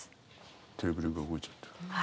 テーブルが動いちゃってる。